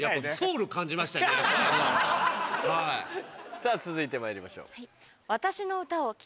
さぁ続いてまいりましょう。